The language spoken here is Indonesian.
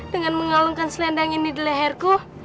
dengan mengalungkan selendang ini di leherku